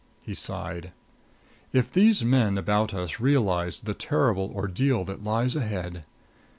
He sighed. "If these men about us realized the terrible ordeal that lies ahead!